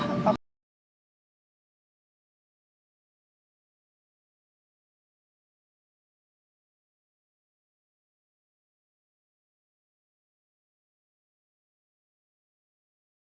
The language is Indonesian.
apakah kamu mau mencoba untuk mencoba